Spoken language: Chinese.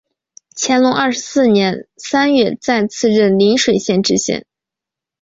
乾隆二十四年三月再次任邻水县知县。